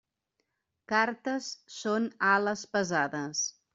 Cartes són ales pesades.